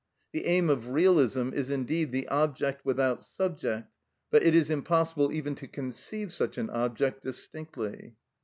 The aim of realism is indeed the object without subject; but it is impossible even to conceive such an object distinctly.